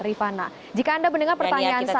rifana jika anda mendengar pertanyaan saya